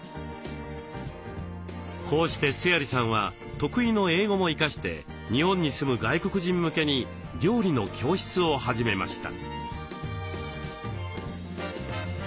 こうして須鑓さんは得意の英語も生かして日本に住む外国人向けに料理の教室を始めました。